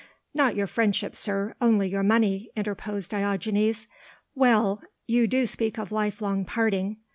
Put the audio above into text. "Not your friendship, sir only your money," interposed Diogenes. "Well! you do speak of lifelong parting.